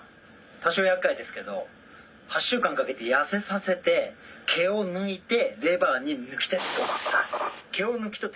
多少やっかいですけど８週間かけて痩せさせて毛を抜いてレバーに貫手ズドーンです。